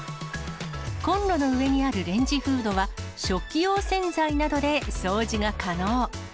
コンロの上にあるレンジフードは、食器用洗剤などで掃除が可能。